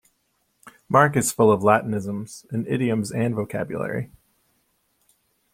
Mark is full of Latinisms, in idioms and vocabulary.